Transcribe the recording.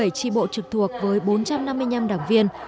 đảng bộ trực thuộc với bốn trăm năm mươi năm đảng viên